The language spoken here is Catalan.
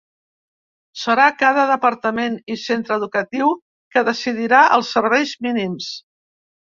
Serà cada departament i centre educatiu que decidirà els serveis mínims.